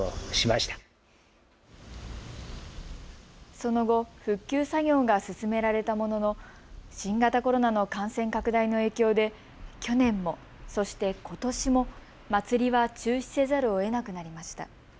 その後、復旧作業が進められたものの新型コロナの感染拡大の影響で去年も、そして、ことしも祭りは中止せざるをえなくなりました。